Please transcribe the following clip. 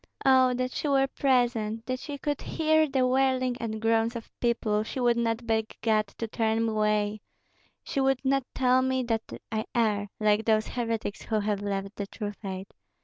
"Oh that she were present, that she could hear the wailing and groans of people, she would not beg God to turn me away, she would not tell me that I err, like those heretics who have left the true faith.